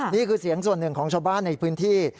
นี่คือเสียงส่วนหนึ่งของชาวบ้านในพื้นที่